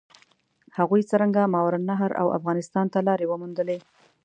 هغوی څرنګه ماورالنهر او افغانستان ته لارې وموندلې؟